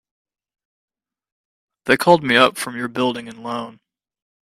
They called me up from your Building and Loan.